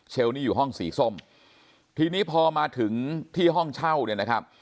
นี่อยู่ห้องสีส้มทีนี้พอมาถึงที่ห้องเช่าเนี่ยนะครับ